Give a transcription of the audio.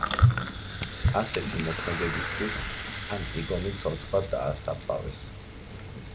ასეთი მოქმედებისათვის ანტიგონე ცოცხლად დაასაფლავეს.